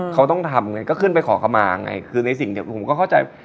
เขาต้องทำไงก็ขึ้นไปขอเข้ามาไงคือในสิ่งที่ผมก็เข้าใจ